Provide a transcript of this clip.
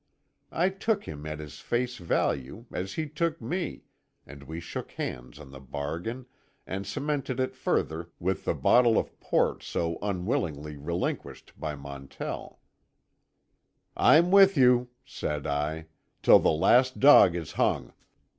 I took him at his face value, as he took me, and we shook hands on the bargain, and cemented it further with the bottle of port so unwillingly relinquished by Montell. "I'm with you," said I, "till the last dog is hung.